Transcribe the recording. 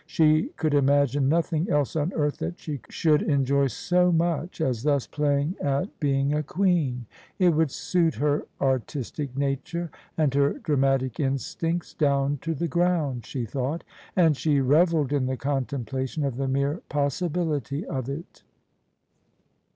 She could imagine nothing else on earth that she should enjoy so much as thus playing at being a queen: it would suit her artistic nature and her dramatic instincts down to the ground, she thought : and she revelled in the contemplation of the mere possibility of it.